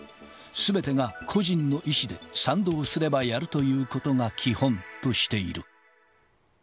すべてが個人の意志で、賛同すればやるということが基本としている。